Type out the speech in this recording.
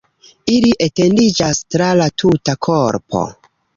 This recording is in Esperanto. Ili etendiĝas tra la tuta korpo.